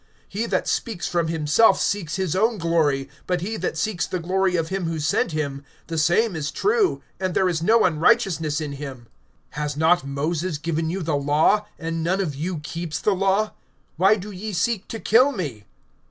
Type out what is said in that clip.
(18)He that speaks from himself seeks his own glory; but he that seeks the glory of him who sent him, the same is true, and there is no unrighteousness in him. (19)Has not Moses given you the law, and none of you keeps the law? Why do ye seek to kill me?